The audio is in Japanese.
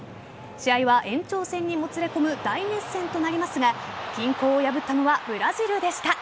試合は延長戦にもつれ込む大熱戦となりますが均衡を破ったのはブラジルでした。